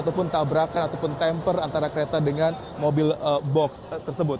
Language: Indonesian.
ataupun tabrakan ataupun temper antara kereta dengan mobil box tersebut